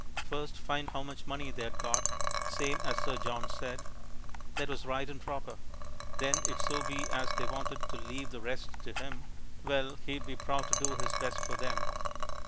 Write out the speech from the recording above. First, find how much money they'd got, same as Sir John said; that was right and proper. Then if so be as they wanted to leave the rest to him, well he'd be proud to do his best for them.